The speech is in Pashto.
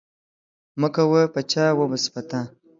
مه کوه په چا وبه سي په تا.